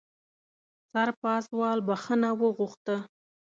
سرپازوال بښنه وغوښته.